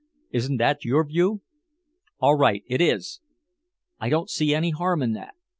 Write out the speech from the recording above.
Isn't that your view?" "All right, it is! I don't see any harm in that.